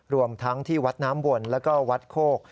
รวมทั้งที่วัดน้ำวนแล้วก็วัดโคก